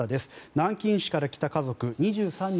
南京市から来た家族２３日